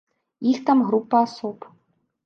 Іх там група асоб.